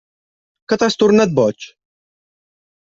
Que t'has tornat boig?